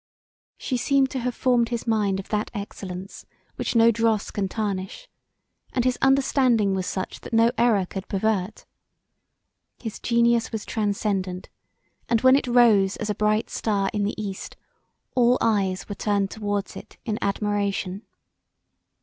She seemed to have formed his mind of that excellence which no dross can tarnish, and his understanding was such that no error could pervert. His genius was transcendant, and when it rose as a bright star in the east all eyes were turned towards it in admiration.